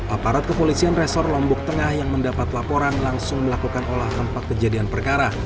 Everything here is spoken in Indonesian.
aparat kepolisian resor lombok tengah yang mendapat laporan langsung melakukan olah tempat kejadian perkara